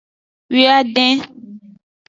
Wiaden.